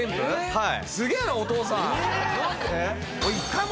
はい。